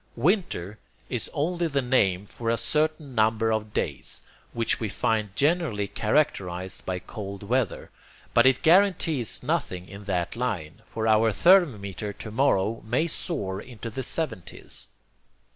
'Winter' is only the name for a certain number of days which we find generally characterized by cold weather, but it guarantees nothing in that line, for our thermometer to morrow may soar into the 70's.